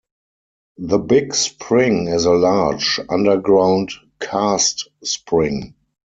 The Big Spring is a large, underground karst spring.